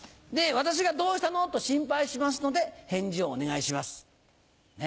私が「どうしたの？」と心配しますので返事をお願いします。